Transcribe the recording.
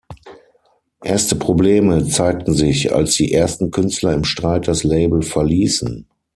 Erste Probleme zeigten sich, als die ersten Künstler im Streit das Label verließen.